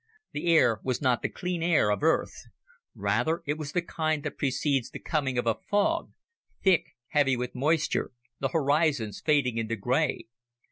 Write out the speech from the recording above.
The air was not the clear air of Earth; rather, it was the kind that precedes the coming of a fog, thick, heavy with moisture, the horizons fading into gray.